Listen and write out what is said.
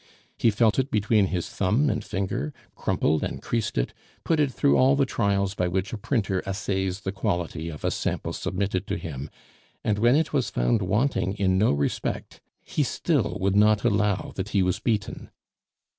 He felt it between his thumb and finger, crumpled and creased it, put it through all the trials by which a printer assays the quality of a sample submitted to him, and when it was found wanting in no respect, he still would not allow that he was beaten.